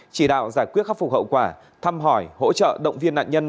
chỉ đạo giải quyết khắc phục hậu quả thăm hỏi hỗ trợ động viên nạn nhân